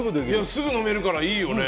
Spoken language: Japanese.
すぐ飲めるからいいよね。